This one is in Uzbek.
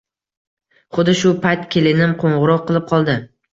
Xuddi shu payt kelinim qo`ng`iroq qilib qoldi